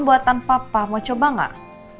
buatan papa mau coba nggak